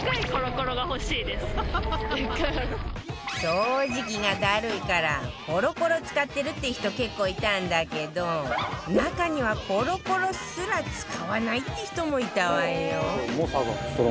掃除機がダルいからコロコロ使ってるって人結構いたんだけど中にはコロコロすら使わないって人もいたわよ